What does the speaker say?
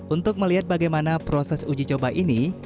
untuk melihat bagaimana proses uji coba ini